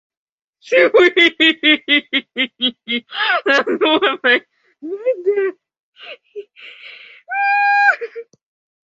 Por aquí transcurría la Cañada Real Leonesa Occidental de la Mesta.